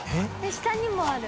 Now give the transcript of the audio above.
下にもある。